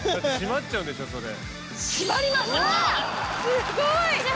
すごい！